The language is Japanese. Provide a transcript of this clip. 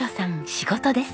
仕事です。